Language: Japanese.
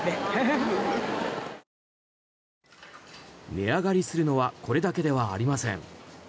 値上がりするのはこれだけではありません。